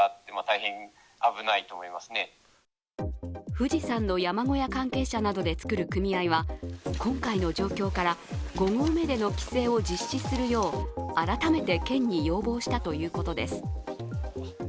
富士山の山小屋関係者などでつくる組合は今回の状況から、５合目での規制を実施するよう改めて県に要望したということです。